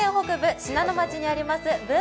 信濃町にありますぶん